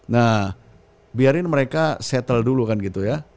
nah biarin mereka settle dulu kan gitu ya